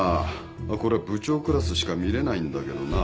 これは部長クラスしか見れないんだけどなぁ。